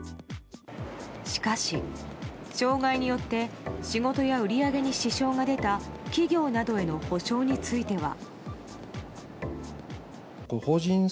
しかし、障害によって仕事や売り上げに支障が出た企業などへの補償については。